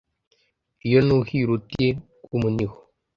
iyo nuhiye uruti rwumuniho